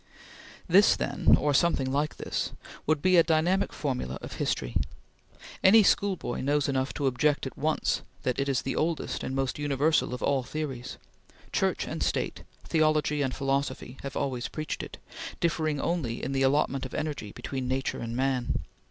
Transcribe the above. This, then, or something like this, would be a dynamic formula of history. Any schoolboy knows enough to object at once that it is the oldest and most universal of all theories. Church and State, theology and philosophy, have always preached it, differing only in the allotment of energy between nature and man.